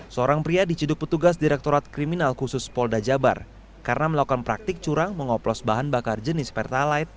seorang pria diciduk petugas direktorat kriminal khusus polda jabar karena melakukan praktik curang mengoplos bahan bakar jenis pertalite